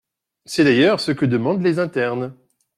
C’est d’ailleurs ce que demandent les internes.